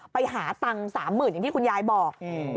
ไปหาตังค์สามหมื่นอย่างที่คุณยายบอกอืม